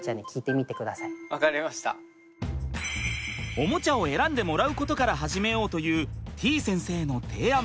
おもちゃを選んでもらうことから始めようというてぃ先生の提案。